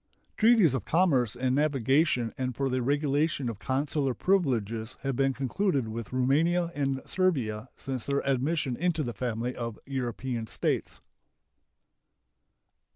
Treaties of commerce and navigation and for the regulation of consular privileges have been concluded with Roumania and Servia since their admission into the family of European States.